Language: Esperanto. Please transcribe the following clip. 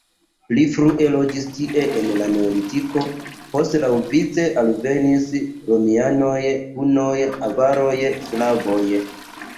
Pli frue loĝis tie en la neolitiko, poste laŭvice alvenis romianoj, hunoj, avaroj, slavoj.